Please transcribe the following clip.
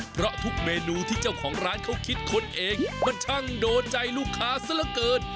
เพราะทุกเมนูที่เจ้าของร้านเขาคิดค้นเองมันช่างโดนใจลูกค้าซะละเกิน